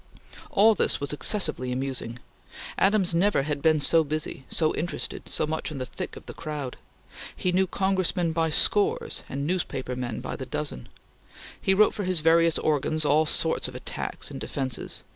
All this was excessively amusing. Adams never had been so busy, so interested, so much in the thick of the crowd. He knew Congressmen by scores and newspaper men by the dozen. He wrote for his various organs all sorts of attacks and defences.